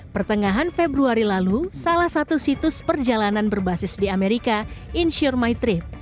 pertengahan februari lalu salah satu situs perjalanan berbasis di amerika insure my trip